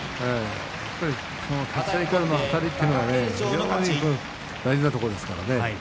立ち合いからのあたりというのは大事なところですね。